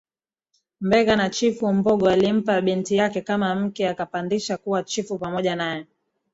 Mbegha na chifu Mbogho alimpa binti yake kama mke akampandisha kuwa chifu pamoja naye